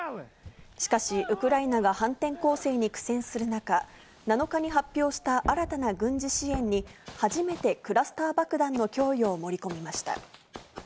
しかし、ウクライナが反転攻勢に苦戦する中、７日に発表した新たな軍事支援に、初めてクラスター爆弾の供与を盛り込みました。